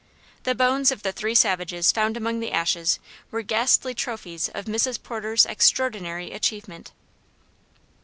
The bones of the three savages found among the ashes were ghastly trophies of Mrs. Porter's extraordinary achievement.